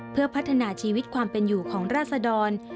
เพื่อพัฒนาชีวิตความเป็นอยู่ของราศดร